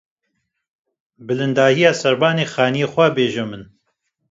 bilindahiya Serbanê xanîyê xwe bêje min